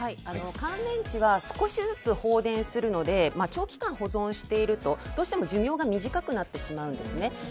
乾電池は少しずつ放電するので長期間保存しているとどうしても寿命が短くなってしまうんですね。